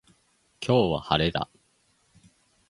今日は、晴れだ。